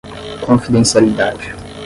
confidencialidade